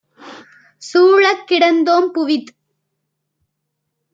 சூழக் கிடந்தோம் - புவித்